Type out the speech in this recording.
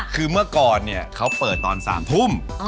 คือเมื่อก่อนเนี่ยเขาเปิดตอน๓ทุ่ม